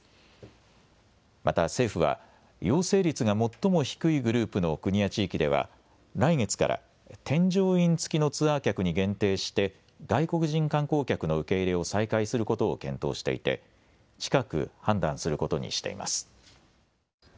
また政府は陽性率が最も低いグループの国や地域では来月から添乗員付きのツアー客に限定して外国人観光客の受け入れを再開することを検討していて近く判断することにしています。